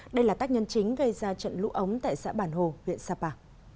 đây là tác nhân chính gây ra trận lũ ống tại xã bản hồ huyện sapa